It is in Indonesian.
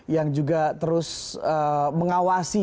yang juga terus mengawasi